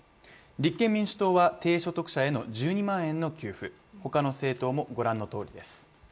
立憲民主党は低所得者への１２万円の給付ほかの政党も御覧のとおりです。